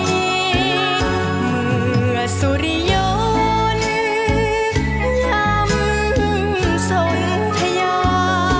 เมื่อสุริยนช้ำสนทยา